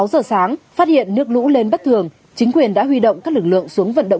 sáu giờ sáng phát hiện nước lũ lên bất thường chính quyền đã huy động các lực lượng xuống vận động